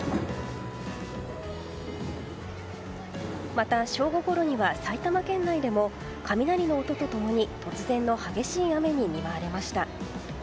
また、正午ごろには埼玉県内でも雷の音と共に突然の激しい雨に見舞われました。